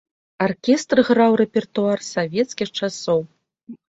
Аркестр граў рэпертуар савецкіх часоў.